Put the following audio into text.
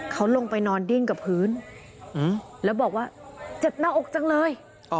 เขาลงไปนอนดิ้นกับพื้นแล้วบอกว่าเจ็บหน้าอกจังเลย